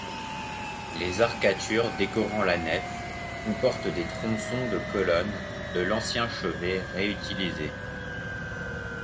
Les arcatures décorant la nef comportent des tronçons de colonnes de l'ancien chevet réutilisées.